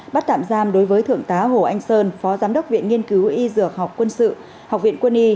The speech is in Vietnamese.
bắt tạm giam đối với thượng tá hồ anh sơn phó giám đốc viện nghiên cứu y dược học quân sự học viện quân y